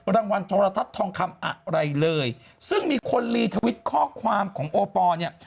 รางวัลโทรทัศน์ทองคำอะไรเลยซึ่งมีคนรีทวิตข้อความของโอปอลเนี่ย